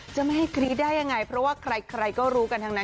จะไม่ให้กรี๊ดได้ยังไงเพราะว่าใครก็รู้กันทั้งนั้น